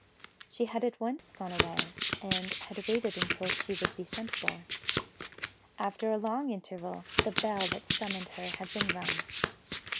She had at once gone away, and had waited until she should be sent for. After a long interval, the bell that summoned her had been rung.